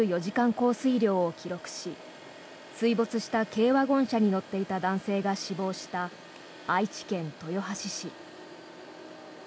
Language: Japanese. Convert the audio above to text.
降水量を記録し水没した軽ワゴン車に乗っていた男性が死亡した愛知県豊橋市。